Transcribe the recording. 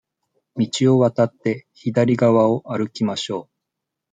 道を渡って、左側を歩きましょう。